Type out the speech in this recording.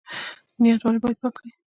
نیت ولې باید پاک وي؟